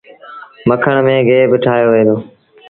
مکڻ مآݩ گيه با ٺآهيو وهي دو۔